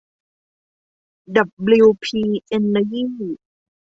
ดับบลิวพี เอ็นเนอร์ยี่